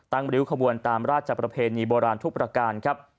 ริ้วขบวนตามราชประเพณีโบราณทุกประการครับ